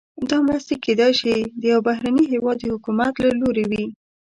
دا مرستې کیدای شي د یو بهرني هیواد د حکومت له لوري وي.